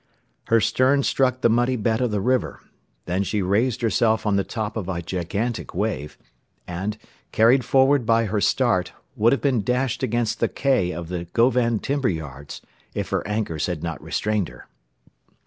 Her stern struck the muddy bed of the river, then she raised herself on the top of a gigantic wave, and, carried forward by her start, would have been dashed against the quay of the Govan timber yards, if her anchors had not restrained her.